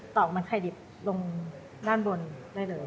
อกมันไข่ดิบลงด้านบนได้เลย